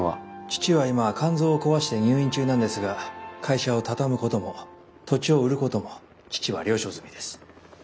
父は今肝臓を壊して入院中なんですが会社を畳むことも土地を売ることも父は了承済みです。